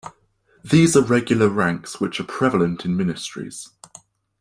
These are regular ranks which are prevalent in ministries.